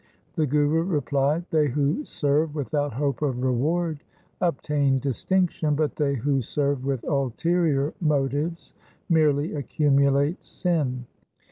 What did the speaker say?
The Guru replied, ' They who serve without hope of reward obtain distinction, but they who serve with ulterior motives merely accumulate sin.'